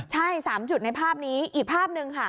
ใช่๓จุดในภาพนี้อีกภาพหนึ่งค่ะ